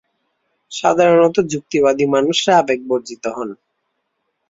সাধারণত যুক্তিবাদী মানুষরা আবেগবর্জিত হন।